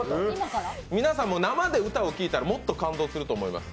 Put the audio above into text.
皆さんも生で歌を聴いたらもっと感動すると思います。